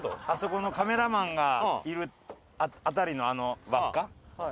あそこのカメラマンがいる辺りのあの輪っか。